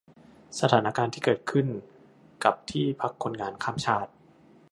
สถานการณ์ที่เกิดขึ้นกับที่พักคนงานข้ามชาติ